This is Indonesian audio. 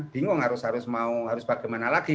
bingung harus mau harus bagaimana lagi